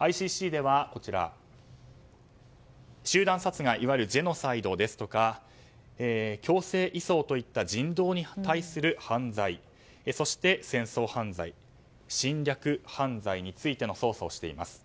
ＩＣＣでは集団殺害いわゆるジェノサイドですとか強制移送といった人道に対する犯罪そして、戦争犯罪侵略犯罪についての捜査をしています。